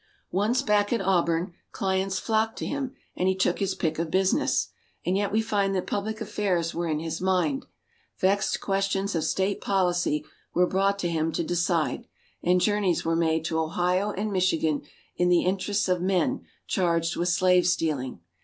Once back at Auburn, clients flocked to him, and he took his pick of business. And yet we find that public affairs were in his mind. Vexed questions of State policy were brought to him to decide, and journeys were made to Ohio and Michigan in the interests of men charged with slave stealing.